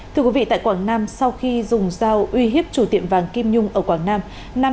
tại quảng nam sau khi dùng dao uy hiếp chủ tiệm vàng kim nhung ở quảng nam